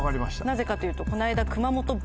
なぜかというとこの間。